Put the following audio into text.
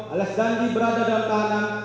alias dandi berada dalam tahanan